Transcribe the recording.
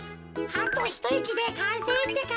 あとひといきでかんせいってか。